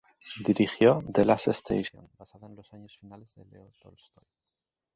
Dirigió "The Last Station", basada en los años finales de Leo Tolstoy.